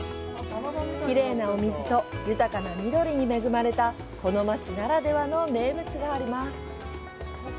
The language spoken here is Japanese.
きれいなお水と豊かな緑に恵まれたこの街ならではの名物があります。